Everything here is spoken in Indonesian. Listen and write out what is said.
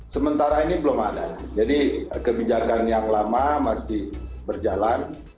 sementara ini belum ada jadi kebijakan yang lama masih berjalan